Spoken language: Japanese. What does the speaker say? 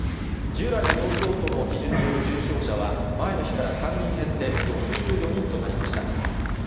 従来の東京都の基準による重症者は、前の日から３人減って、６４人となりました。